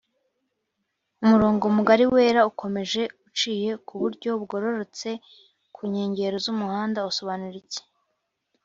umurongo mugari wera ukomeje uciye kuburyo bugororotse ku nkegero z’umuhanda usobanura iki